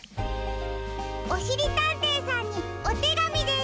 おしりたんていさんにおてがみです。